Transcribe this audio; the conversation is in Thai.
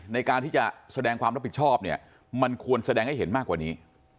ในการที่จะแสดงความรับผิดชอบเนี่ยมันควรแสดงให้เห็นมากกว่านี้